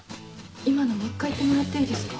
今のもう一回言ってもらっていいですか？